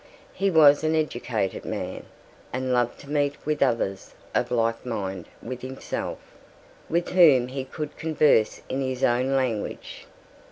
He was an educated man, and loved to meet with others of like mind with himself, with whom he could converse in his own language.